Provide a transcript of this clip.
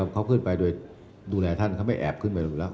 เขาขึ้นไปโดยดูแลท่านเขาไม่แอบขึ้นไปดูแล้ว